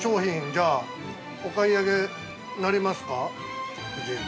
じゃあ、お買い上げになりますか、夫人。